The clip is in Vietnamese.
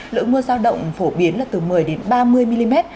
lượng mưa giao động phổ biến là từ một mươi đến ba mươi mm